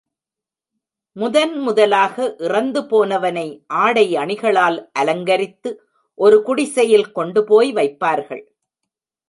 முதன் முதலாக இறந்துபோனவனை ஆடை அணிகளால் அலங்கரித்து, ஒரு குடிசையில் கொண்டுபோய் வைப்பார்கள்.